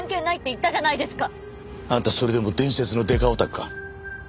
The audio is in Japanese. あんたそれでも伝説のデカオタクか？